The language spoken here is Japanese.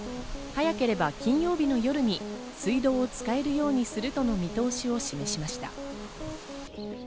市は昨夜の会見で早ければ金曜日の夜に水道を使えるようにするとの見通しを示しました。